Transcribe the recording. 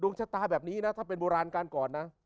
ชะตาแบบนี้นะถ้าเป็นโบราณการก่อนนะ